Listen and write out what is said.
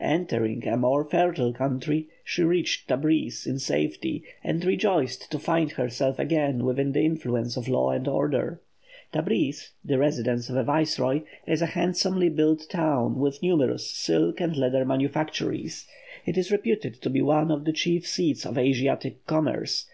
Entering a more fertile country, she reached Tabrîz in safety, and rejoiced to find herself again within the influence of law and order. Tabrîz, the residence of a viceroy, is a handsomely built town, with numerous silk and leather manufactories; it is reputed to be one of the chief seats of Asiatic commerce.